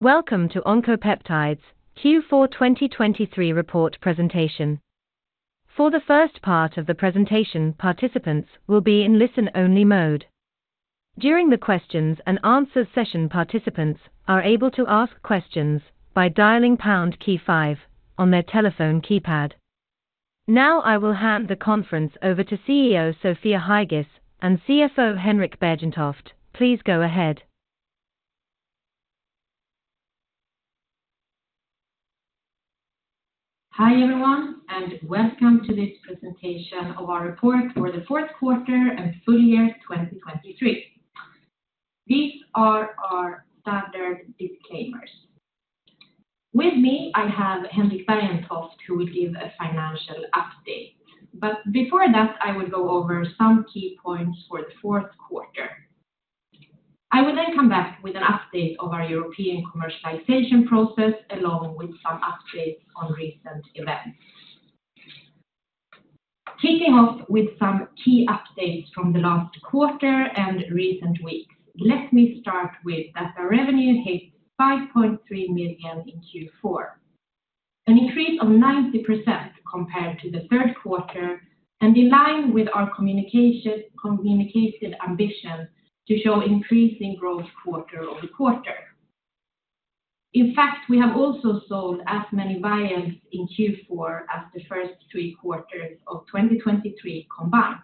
Welcome to Oncopeptides Q4 2023 report presentation. For the first part of the presentation participants will be in listen-only mode. During the questions and answers session participants are able to ask questions by dialing pound key five on their telephone keypad. Now I will hand the conference over to CEO Sofia Heigis and CFO Henrik Bergentoft, please go ahead. Hi everyone, and welcome to this presentation of our report for the fourth quarter and full year 2023. These are our standard disclaimers. With me I have Henrik Bergentoft who will give a financial update, but before that I will go over some key points for the fourth quarter. I will then come back with an update of our European commercialization process along with some updates on recent events. Kicking off with some key updates from the last quarter and recent weeks, let me start with that our revenue hit 5.3 million in Q4, an increase of 90% compared to the third quarter, and in line with our communicated ambition to show increasing growth quarter-over-quarter. In fact, we have also sold as many vials in Q4 as the first three quarters of 2023 combined.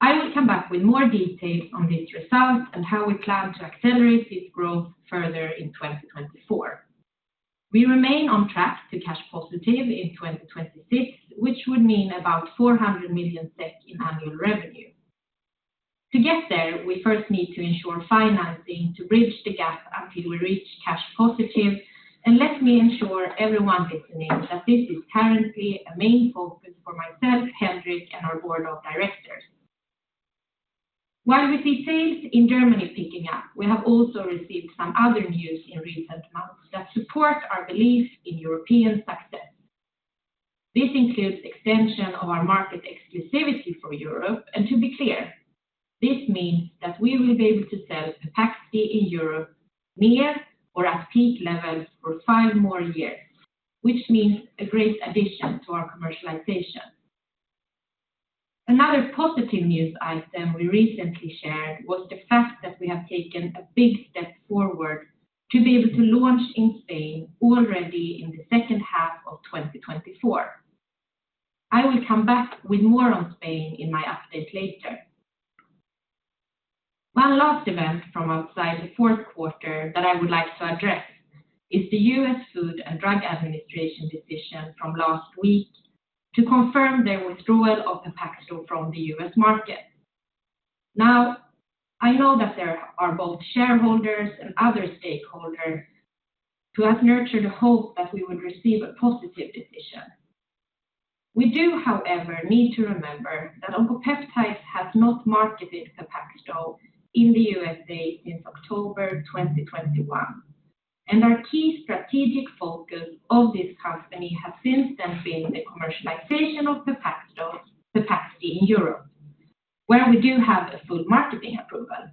I will come back with more details on this result and how we plan to accelerate this growth further in 2024. We remain on track to cash positive in 2026, which would mean about 400 million SEK in annual revenue. To get there, we first need to ensure financing to bridge the gap until we reach cash positive, and let me ensure everyone listening that this is currently a main focus for myself, Henrik, and our board of directors. While we see sales in Germany picking up, we have also received some other news in recent months that support our belief in European success. This includes extension of our market exclusivity for Europe, and to be clear, this means that we will be able to sell Pepaxti in Europe near or at peak levels for five more years, which means a great addition to our commercialization. Another positive news item we recently shared was the fact that we have taken a big step forward to be able to launch in Spain already in the second half of 2024. I will come back with more on Spain in my update later. One last event from outside the fourth quarter that I would like to address is the U.S. Food and Drug Administration decision from last week to confirm their withdrawal of Pepaxto from the U.S. market. Now, I know that there are both shareholders and other stakeholders who have nurtured a hope that we would receive a positive decision. We do, however, need to remember that Oncopeptides has not marketed Pepaxto in the USA since October 2021, and our key strategic focus of this company has since then been the commercialization of Pepaxto in Europe, where we do have a full marketing approval.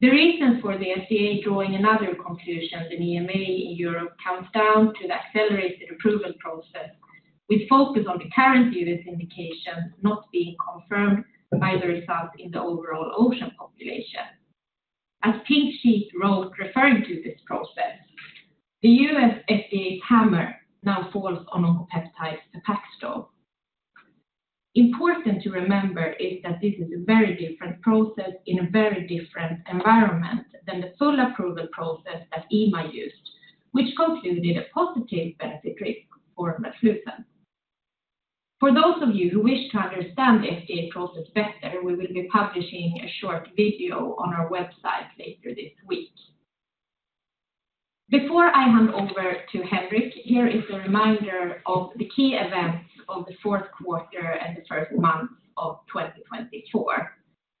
The reasons for the FDA drawing another conclusion than EMA in Europe comes down to the accelerated approval process with focus on the current US indication not being confirmed by the result in the overall OCEAN population. As Pink Sheet wrote referring to this process, the U.S. FDA's hammer now falls on Oncopeptides Pepaxti. Important to remember is that this is a very different process in a very different environment than the full approval process that EMA used, which concluded a positive benefit risk for melflufen. For those of you who wish to understand the FDA process better, we will be publishing a short video on our website later this week. Before I hand over to Henrik, here is a reminder of the key events of the fourth quarter and the first months of 2024.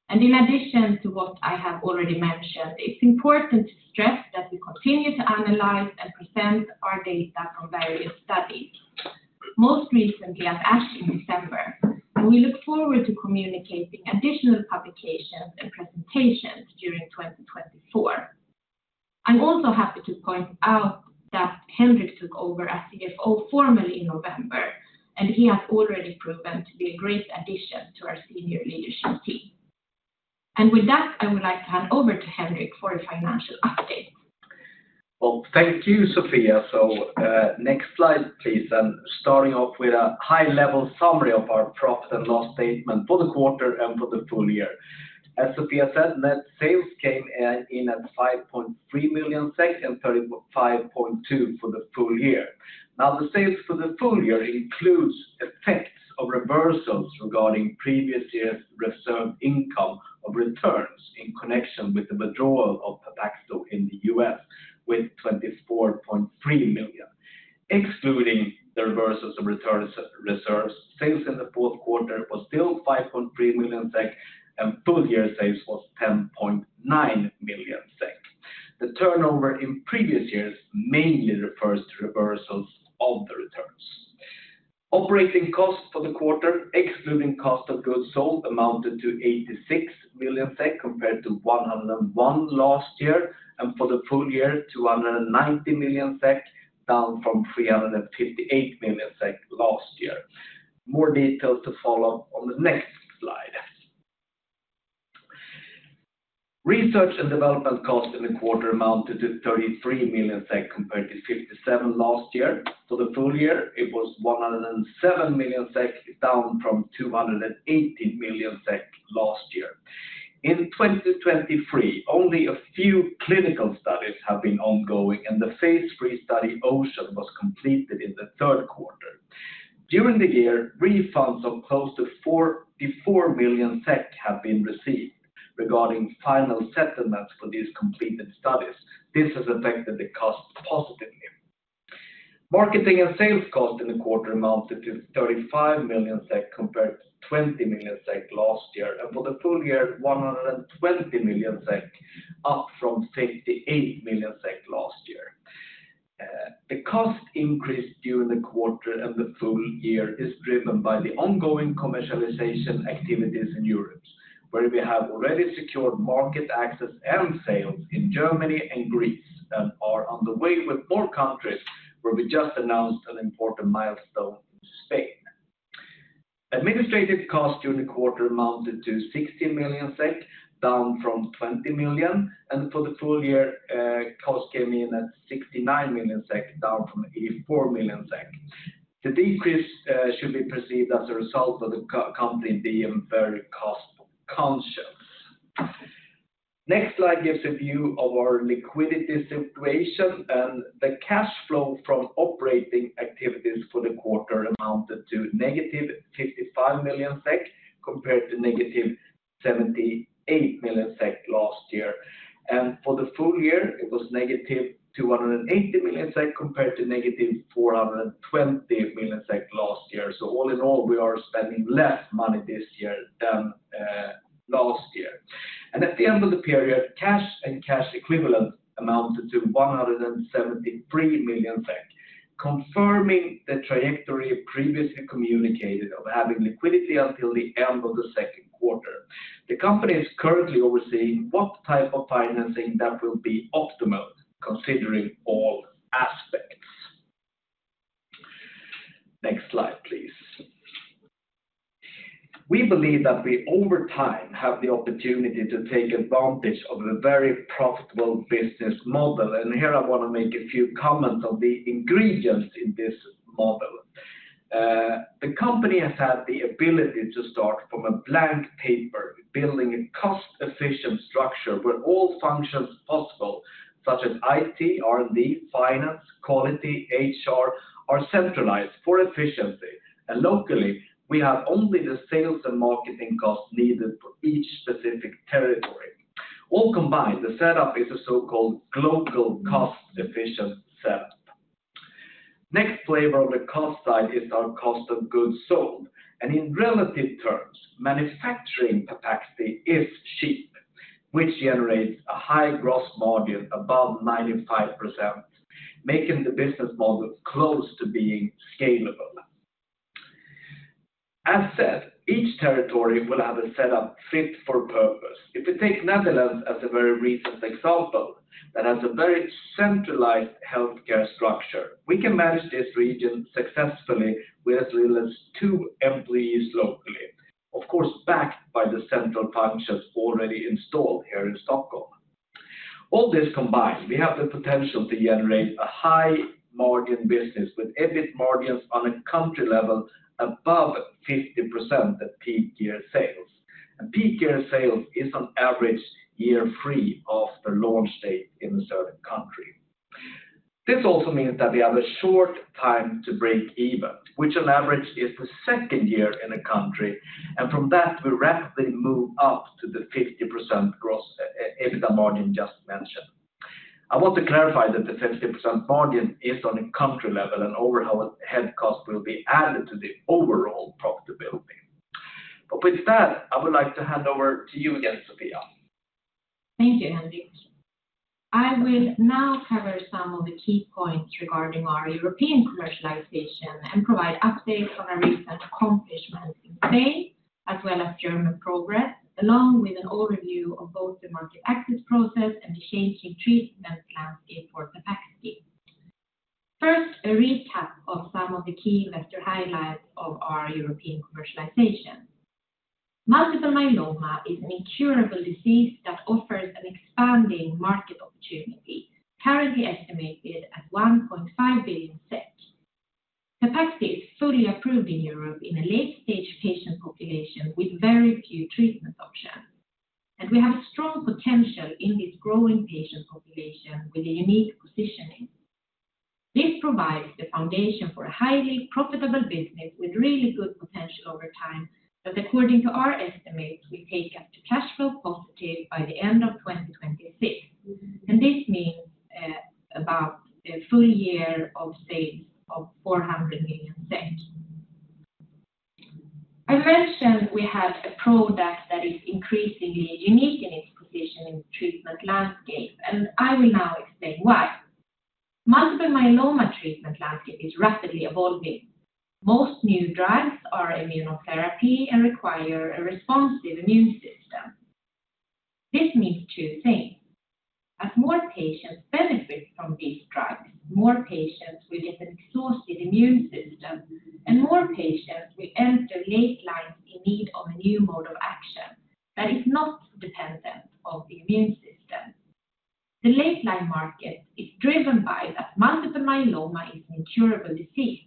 In addition to what I have already mentioned, it's important to stress that we continue to analyze and present our data from various studies, most recently at ASH in December, and we look forward to communicating additional publications and presentations during 2024. I'm also happy to point out that Henrik took over as CFO formally in November, and he has already proven to be a great addition to our senior leadership team. With that, I would like to hand over to Henrik for a financial update. Well, thank you, Sofia. So next slide, please, and starting off with a high-level summary of our profit and loss statement for the quarter and for the full year. As Sofia said, net sales came in at 5.3 million and 35.2 million for the full year. Now, the sales for the full year includes effects of reversals regarding previous year's reserved income of returns in connection with the withdrawal of Pepaxto in the U.S. with 24.3 million. Excluding the reversals of return reserves, sales in the fourth quarter was still 5.3 million SEK, and full year sales was 10.9 million SEK. The turnover in previous years mainly refers to reversals of the returns. Operating costs for the quarter, excluding cost of goods sold, amounted to 86 million SEK compared to 101 million last year, and for the full year, 290 million SEK down from 358 million SEK last year. More details to follow on the next slide. Research and development costs in the quarter amounted to 33 million SEK compared to 57 million last year. For the full year, it was 107 million SEK down from 218 million SEK last year. In 2023, only a few clinical studies have been ongoing, and the phase III study OCEAN was completed in the third quarter. During the year, refunds of close to 44 million SEK have been received regarding final settlements for these completed studies. This has affected the cost positively. Marketing and sales costs in the quarter amounted to 35 million SEK compared to 20 million SEK last year, and for the full year, 120 million SEK up from 58 million SEK last year. The cost increase during the quarter and the full year is driven by the ongoing commercialization activities in Europe, where we have already secured market access and sales in Germany and Greece, and are on the way with more countries where we just announced an important milestone in Spain. Administrative costs during the quarter amounted to 16 million SEK down from 20 million, and for the full year, cost came in at 69 million SEK down from 84 million SEK. The decrease should be perceived as a result of the company being very cost conscious. Next slide gives a view of our liquidity situation, and the cash flow from operating activities for the quarter amounted to -55 million SEK compared to -78 million SEK last year. For the full year, it was -280 million SEK compared to -420 million SEK last year. So all in all, we are spending less money this year than last year. And at the end of the period, cash and cash equivalent amounted to 173 million SEK, confirming the trajectory previously communicated of having liquidity until the end of the second quarter. The company is currently overseeing what type of financing that will be optimal considering all aspects. Next slide, please. We believe that we over time have the opportunity to take advantage of a very profitable business model, and here I want to make a few comments on the ingredients in this model. The company has had the ability to start from a blank paper, building a cost-efficient structure where all functions possible, such as IT, R&D, finance, quality, HR, are centralized for efficiency, and locally, we have only the sales and marketing costs needed for each specific territory. All combined, the setup is a so-called global cost-efficient setup. Next flavor of the cost side is our cost of goods sold, and in relative terms, manufacturing Pepaxti is cheap, which generates a high gross margin above 95%, making the business model close to being scalable. As said, each territory will have a setup fit for purpose. If we take Netherlands as a very recent example that has a very centralized healthcare structure, we can manage this region successfully with as little as two employees locally, of course backed by the central functions already installed here in Stockholm. All this combined, we have the potential to generate a high-margin business with EBIT margins on a country level above 50% at peak year sales. Peak year sales is on average year three after launch date in a certain country. This also means that we have a short time to break even, which on average is the second year in a country, and from that, we rapidly move up to the 50% gross EBITDA margin just mentioned. I want to clarify that the 50% margin is on a country level and overall head cost will be added to the overall profitability. But with that, I would like to hand over to you again, Sofia. Thank you, Henrik. I will now cover some of the key points regarding our European commercialization and provide updates on our recent accomplishments in Spain as well as German progress, along with an overview of both the market access process and the changing treatment landscape for Pepaxti. First, a recap of some of the key investor highlights of our European commercialization. Multiple myeloma is an incurable disease that offers an expanding market opportunity, currently estimated at 1.5 billion. Pepaxti is fully approved in Europe in a late-stage patient population with very few treatment options, and we have a strong potential in this growing patient population with a unique positioning. This provides the foundation for a highly profitable business with really good potential over time that, according to our estimates, will take us to cash flow positive by the end of 2026. This means about a full year of sales of 400 million. I mentioned we had a product that is increasingly unique in its position in the treatment landscape, and I will now explain why. Multiple myeloma treatment landscape is rapidly evolving. Most new drugs are immunotherapy and require a responsive immune system. This means two things. As more patients benefit from these drugs, more patients will get an exhaustive immune system, and more patients will enter late lines in need of a new mode of action that is not dependent on the immune system. The late line market is driven by that multiple myeloma is an incurable disease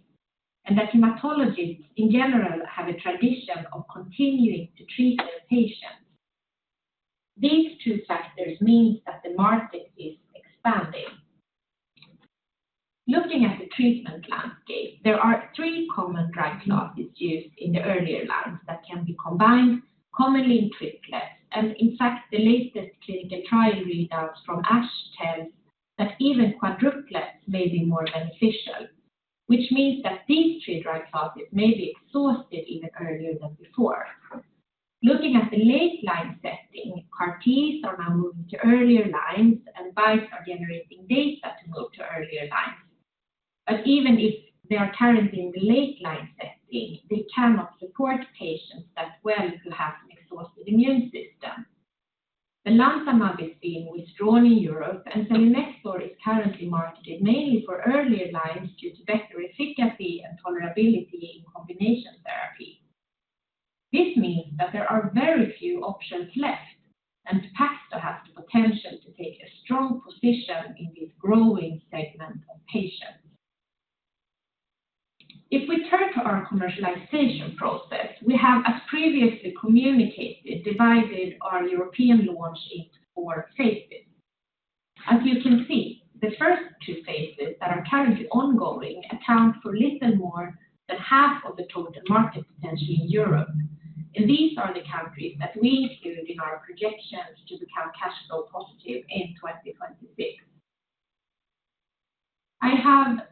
and that hematologists in general have a tradition of continuing to treat their patients. These two factors mean that the market is expanding. Looking at the treatment landscape, there are three common drug classes used in the earlier lines that can be combined, commonly in triplets, and in fact, the latest clinical trial readouts from ASH tell us that even quadruplets may be more beneficial, which means that these three drug classes may be exhausted even earlier than before. Looking at the late line setting, CAR-Ts are now moving to earlier lines, and BiTEs are generating data to move to earlier lines. But even if they are currently in the late line setting, they cannot support patients that well who have an exhausted immune system. Belantamab is being withdrawn in Europe, and selinexor is currently marketed mainly for earlier lines due to better efficacy and tolerability in combination therapy. This means that there are very few options left, and Pepaxti has the potential to take a strong position in this growing segment of patients. If we turn to our commercialization process, we have, as previously communicated, divided our European launch into four phases. As you can see, the first two phases that are currently ongoing account for little more than half of the total market potential in Europe, and these are the countries that we include in our projections to become cash flow positive in 2026. I have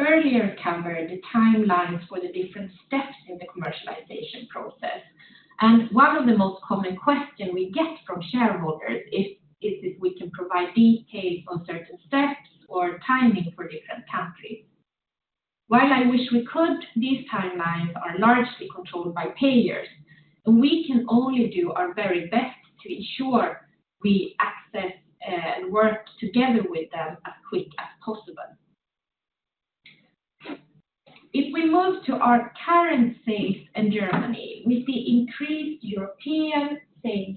earlier covered the timelines for the different steps in the commercialization process, and one of the most common questions we get from shareholders is if we can provide details on certain steps or timing for different countries. While I wish we could, these timelines are largely controlled by payers, and we can only do our very best to ensure we access and work together with them as quickly as possible. If we move to our current sales in Germany, we see increased European sales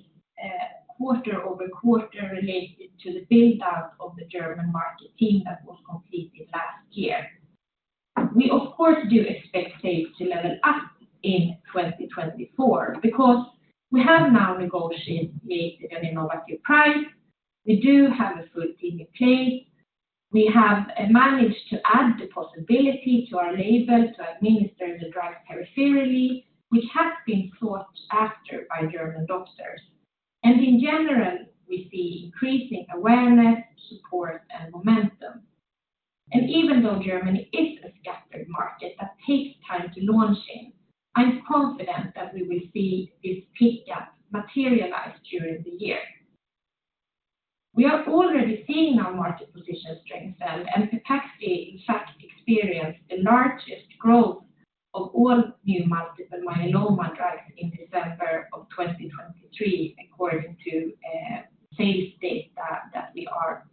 quarter-over-quarter related to the build-out of the German market team that was completed last year. We, of course, do expect sales to level up in 2024 because we have now negotiated an innovative price. We do have a full team in place. We have managed to add the possibility to our label to administer the drugs peripherally, which has been sought after by German doctors. In general, we see increasing awareness, support, and momentum. Even though Germany is a scattered market that takes time to launch in, I'm confident that we will see this pickup materialize during the year. We are already seeing our market position strengthen, and Pepaxti, in fact, experienced the largest growth of all new multiple myeloma drugs in December of 2023, according to sales data that we are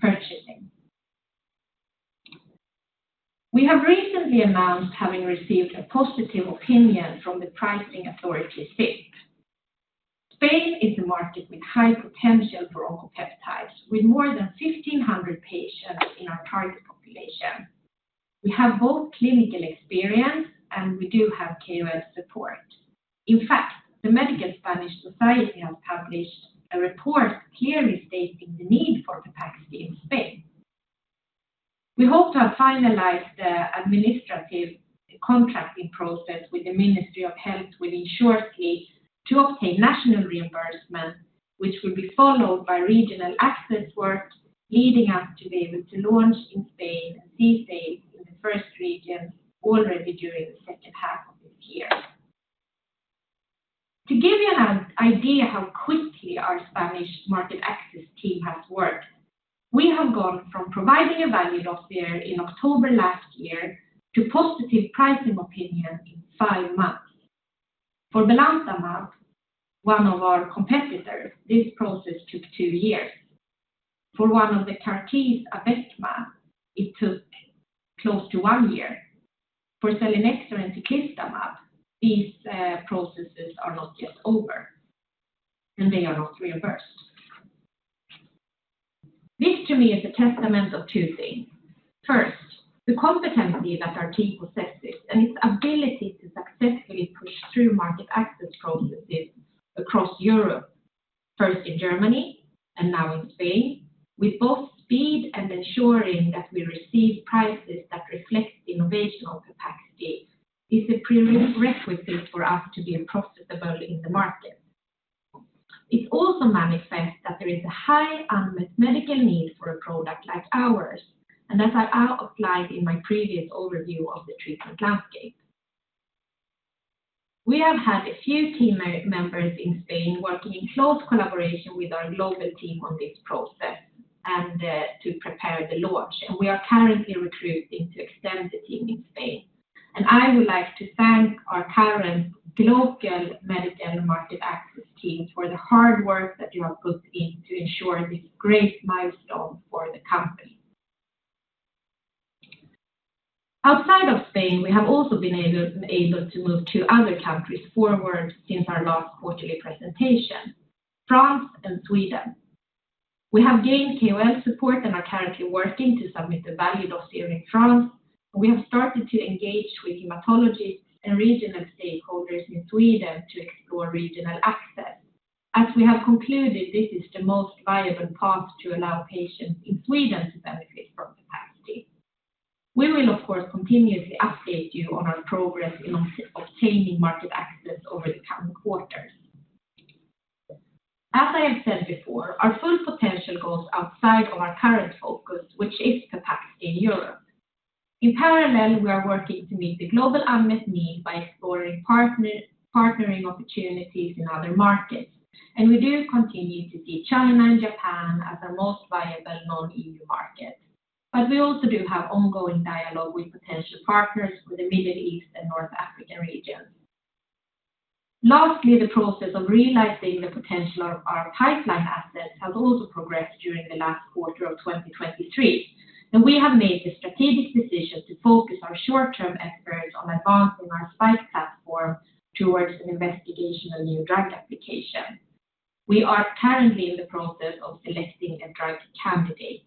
purchasing. We have recently announced having received a positive opinion from the pricing authority, CIPM. Spain is a market with high potential for Oncopeptides, with more than 1,500 patients in our target population. We have both clinical experience, and we do have KOL support. In fact, the Medical Spanish Society has published a report clearly stating the need for Pepaxti in Spain. We hope to have finalized the administrative contracting process with the Ministry of Health within shortly to obtain national reimbursement, which will be followed by regional access work leading us to be able to launch in Spain and see sales in the first regions already during the second half of this year. To give you an idea how quickly our Spanish market access team has worked, we have gone from providing a value dossier in October last year to positive pricing opinion in five months. For the belantamab, one of our competitors, this process took two years. For one of the CAR-Ts, Abecma, it took close to one year. For selinexor and teclistamab, these processes are not yet over, and they are not reimbursed. This, to me, is a testament of two things. First, the competency that our team possesses and its ability to successfully push through market access processes across Europe, first in Germany and now in Spain, with both speed and ensuring that we receive prices that reflect innovational capacity, is a prerequisite for us to be profitable in the market. It also manifests that there is a high unmet medical need for a product like ours, and as I outlined in my previous overview of the treatment landscape, we have had a few team members in Spain working in close collaboration with our global team on this process to prepare the launch, and we are currently recruiting to extend the team in Spain. I would like to thank our current global medical market access teams for the hard work that you have put in to ensure this great milestone for the company. Outside of Spain, we have also been able to move two other countries forward since our last quarterly presentation, France and Sweden. We have gained KOL support and are currently working to submit the value dossier in France, and we have started to engage with hematologists and regional stakeholders in Sweden to explore regional access. As we have concluded, this is the most viable path to allow patients in Sweden to benefit from Pepaxti. We will, of course, continuously update you on our progress in obtaining market access over the coming quarters. As I have said before, our full potential goes outside of our current focus, which is Pepaxti in Europe. In parallel, we are working to meet the global unmet need by exploring partnering opportunities in other markets, and we do continue to see China and Japan as our most viable non-EU markets. But we also do have ongoing dialogue with potential partners in the Middle East and North African regions. Lastly, the process of realizing the potential of our pipeline assets has also progressed during the last quarter of 2023, and we have made the strategic decision to focus our short-term efforts on advancing our SPIKE platform towards an investigational new drug application. We are currently in the process of selecting a drug candidate.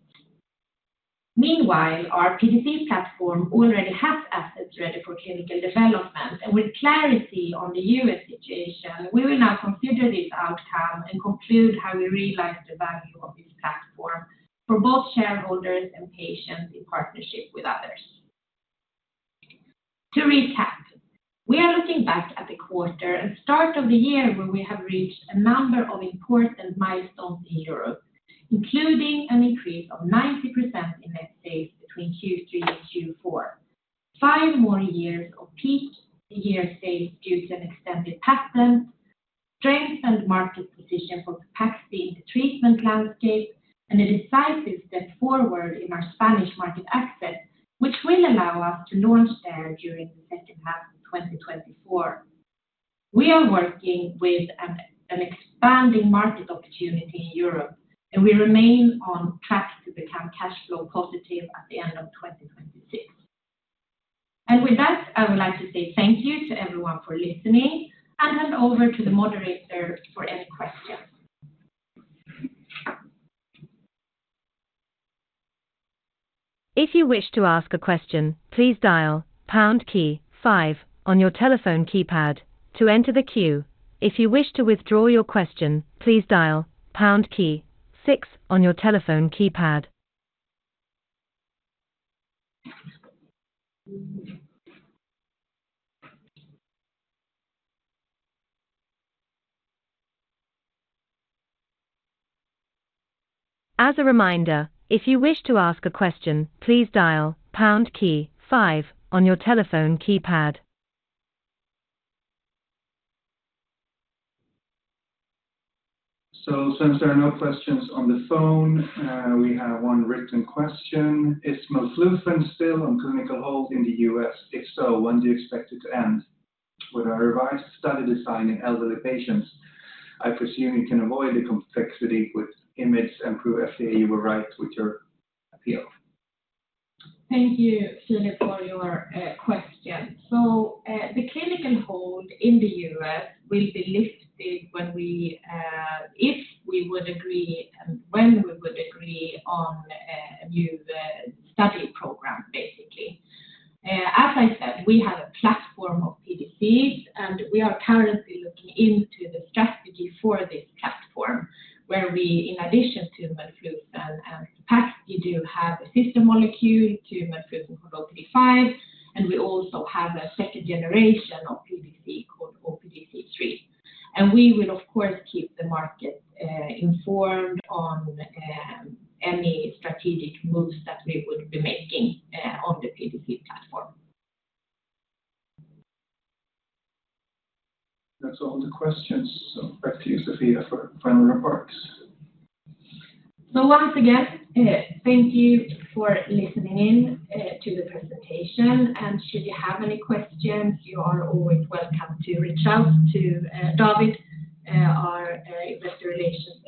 Meanwhile, our PDC platform already has assets ready for clinical development, and with clarity on the U.S. situation, we will now consider this outcome and conclude how we realize the value of this platform for both shareholders and patients in partnership with others. To recap, we are looking back at the quarter and start of the year where we have reached a number of important milestones in Europe, including an increase of 90% in net sales between Q3 and Q4, five more years of peak year sales due to an extended patent, strengthened market position for Pepaxti in the treatment landscape, and a decisive step forward in our Spanish market access, which will allow us to launch there during the second half of 2024. We are working with an expanding market opportunity in Europe, and we remain on track to become cash flow positive at the end of 2026. With that, I would like to say thank you to everyone for listening and hand over to the moderator for any questions. If you wish to ask a question, please dial pound key five on your telephone keypad to enter the queue. If you wish to withdraw your question, please dial pound key six on your telephone keypad. As a reminder, if you wish to ask a question, please dial pound key five on your telephone keypad. So since there are no questions on the phone, we have one written question. Is melflufen still on clinical hold in the U.S.? If so, when do you expect it to end? With our revised study design in elderly patients, I presume you can avoid the complexity with IMiDs and Pls. You were right with your appeal. Thank you, Philip, for your question. So the clinical hold in the U.S. will be lifted if we would agree and when we would agree on a new study program, basically. As I said, we have a platform of PDCs, and we are currently looking into the strategy for this platform where we, in addition to melflufen and Pepaxti, do have a sister molecule, melflufen called OPD5, and we also have a second generation of PDC called OPDC3. And we will, of course, keep the market informed on any strategic moves that we would be making on the PDC platform. That's all the questions. So back to you, Sofia, for final reports. Once again, thank you for listening in to the presentation. Should you have any questions, you are always welcome to reach out to David, our Investor Relations and Communication Director. By that, I would like to wish you all a nice day.